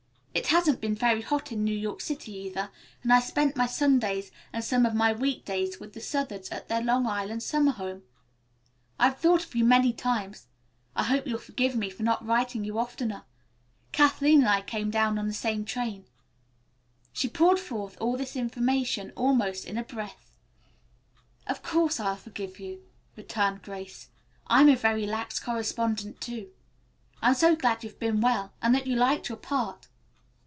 It hasn't been very hot in New York City, either, and I spent my Sundays and some of my week days with the Southards at their Long Island summer home. I have thought of you many times. I hope you'll forgive me for not writing you oftener. Kathleen and I came down on the same train." She poured forth all this information almost in a breath. "Of course I'll forgive you," returned Grace. "I'm a very lax correspondent, too. I'm so glad you've been well, and that you liked your part."